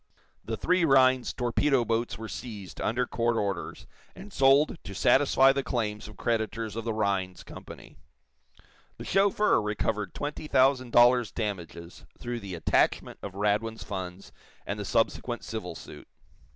The three Rhinds torpedo boats were seized, under court orders, and sold to satisfy the claims of creditors of the Rhinds Company. The chauffeur recovered twenty thousand dollars damages through the attachment of Radwin's funds and the subsequent civil suit.